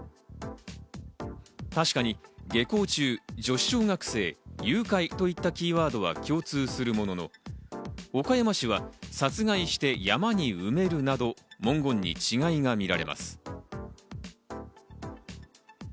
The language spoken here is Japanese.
確かに、下校中、女子小学生、誘拐といったキーワードは共通するものの、岡山市は殺害して山に埋めるなど文言に違いが見られます。